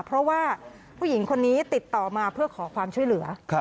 เพราะว่าผู้หญิงคนนี้ติดต่อมาเพื่อขอความช่วยเหลือ